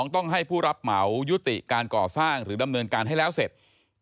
ต้องให้ผู้รับเหมายุติการก่อสร้างหรือดำเนินการให้แล้วเสร็จ